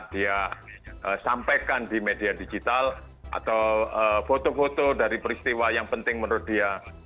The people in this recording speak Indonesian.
dia sampaikan di media digital atau foto foto dari peristiwa yang penting menurut dia